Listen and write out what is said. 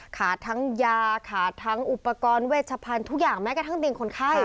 ทั้งยาขาทั้งอุปกรณ์เวชพันธุ์ทุกอย่างแม้กระทั่งเตียงคนไข้